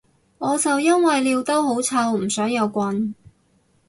我就因為尿兜好臭唔想有棍